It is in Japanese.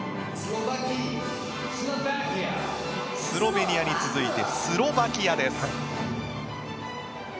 スロベニアに続いてスロバキアです。